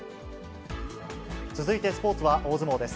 続いてスポーツは大相撲です。